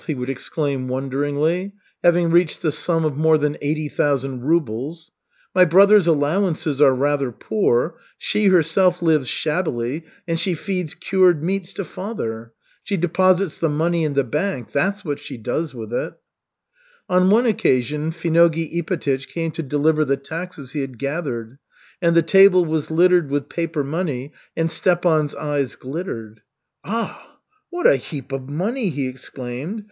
he would exclaim wonderingly, having reached the sum of more than eighty thousand rubles. "My brothers' allowances are rather poor; she herself lives shabbily, and she feeds cured meats to father. She deposits the money in the bank, that's what she does with it." On one occasion Finogey Ipatych came to deliver the taxes he had gathered, and the table was littered with paper money, and Stepan's eyes glittered. "Ah, what a heap of money!" he exclaimed.